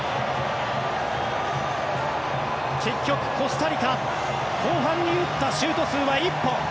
結局、コスタリカ後半に打ったシュート数は１本。